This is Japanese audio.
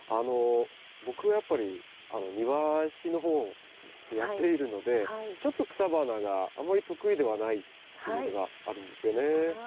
僕はやっぱり庭師の方でやっているのでちょっと草花があんまり得意ではないっていうのがあるんですよね。